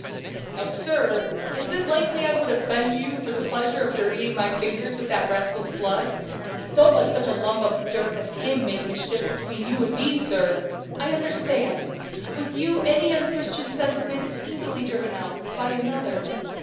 "Now, sir, is it likely I would offend you for the pleasure of dirtying my fingers with that rascal's blood? Don't let such a lump of dirt as him make mischief between you and me, sir." "I understand! with you any unchristian sentiment is easily driven out by another.